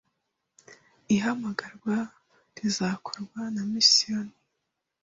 Ihamagarwa rizakorwa na Misiyoni,